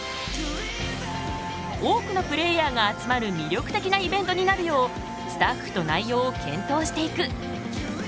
多くのプレーヤーが集まる魅力的なイベントになるようスタッフと内容を検討していく。